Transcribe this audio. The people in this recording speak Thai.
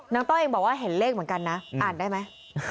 ต้อยเองบอกว่าเห็นเลขเหมือนกันนะอ่านได้ไหม